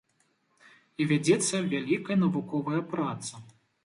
І вядзецца вялікая навуковая праца.